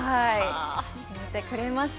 決めてくれました。